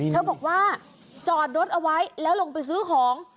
เธอบอกว่าจอดรถเอาไว้แล้วลงไปซื้อของ